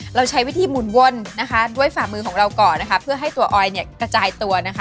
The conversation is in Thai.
เราใช้วิธีหมุนวนด้วยฝ่ามือของเราก่อนเพื่อให้ตัวออยล์กระจายตัว